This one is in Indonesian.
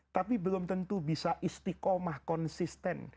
tapi belum tentu bisa istiqomah konsisten